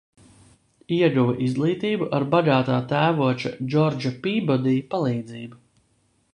Ieguva izglītību ar bagātā tēvoča Džordža Pībodī palīdzību.